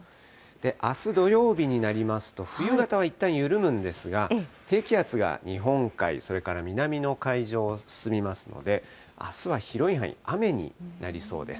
あす土曜日になりますと、冬型はいったん緩むんですが、低気圧が日本海、それから南の海上を進みますので、あすは広い範囲、雨になりそうです。